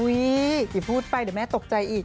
อย่าพูดไปเดี๋ยวแม่ตกใจอีก